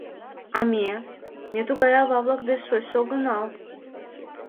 — А ме, ме тугай ава-влак деч шочшо огынал.